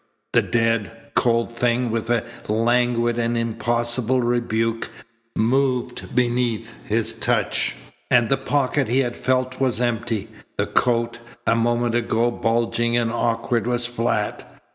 The dead, cold thing with a languid and impossible rebuke, moved beneath his touch. And the pocket he had felt was empty. The coat, a moment ago bulging and awkward, was flat.